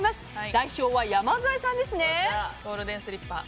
代表は山添さんですね。